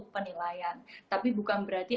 penilaian tapi bukan berarti